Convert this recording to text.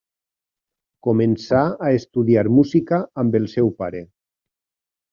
Començà a estudiar música amb el seu pare.